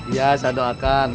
ya saya doakan